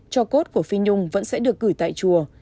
cho cốt của phi nhung vẫn sẽ được gửi tại chùa